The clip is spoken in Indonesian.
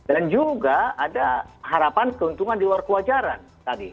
dan juga ada harapan keuntungan di luar kewajaran tadi